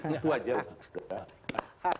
itu aja mas butet